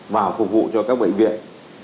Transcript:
và phục vụ cho các bệnh viện